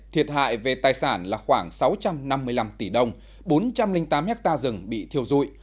thiệt hại về tài sản là khoảng sáu trăm năm mươi năm tỷ đồng bốn trăm linh tám hectare rừng bị thiêu dụi